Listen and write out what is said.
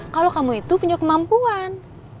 kalau kamu itu punya kemampuan